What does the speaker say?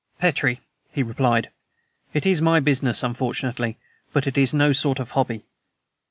"Petrie," he replied, "it is MY business, unfortunately, but it is no sort of hobby."